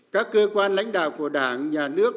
các cơ quan lãnh đạo của đảng nhà nước